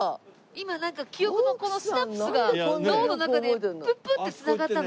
今なんか記憶のこのシナプスが脳の中でプップッて繋がったの？